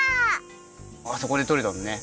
あそこでとれたのね。